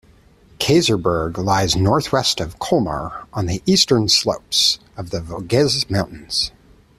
Kaysersberg lies northwest of Colmar, on the eastern slopes of the Vosges mountains.